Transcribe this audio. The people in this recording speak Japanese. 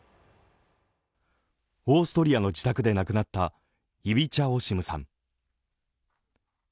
オーストリアの自宅で亡くなったイビチャ・オシムさん。